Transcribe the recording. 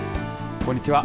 こんにちは。